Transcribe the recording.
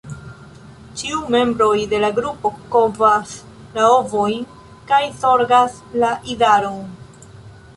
Ĉiu membro de la grupo kovas la ovojn kaj zorgas la idaron.